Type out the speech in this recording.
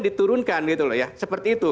diturunkan gitu loh ya seperti itu